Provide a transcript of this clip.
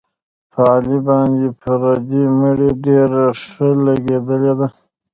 په علي باندې پردۍ مړۍ ډېره ښه لګېدلې ده.